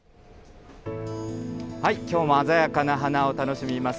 きょうも鮮やかな花を楽しみます。